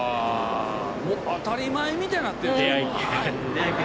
当たり前みたいになってる。